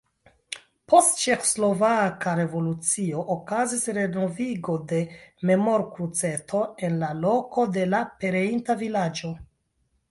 Post ĉeĥoslovaka revolucio okazis renovigo de memorkruceto en la loko de la pereinta vilaĝo.